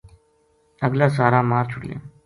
اگلا سارا مار چھڑیا